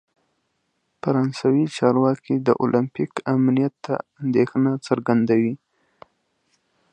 فرانسوي چارواکي د اولمپیک امنیت ته اندیښنه څرګندوي.